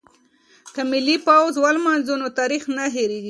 که ملي ورځ ولمانځو نو تاریخ نه هیریږي.